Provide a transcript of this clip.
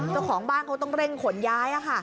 เจ้าของบ้านเขาต้องเร่งขนย้าย